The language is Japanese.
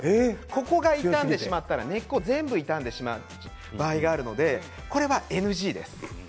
そこが傷んだら根っこが全部傷んでしまう場合があるのでこれはＮＧです。